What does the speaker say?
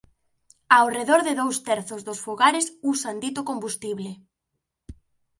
Ao redor de dous terzos dos fogares usan dito combustible.